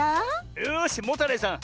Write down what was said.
よしモタレイさん